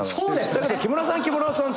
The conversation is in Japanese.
だけど「木村さん木村さん」って。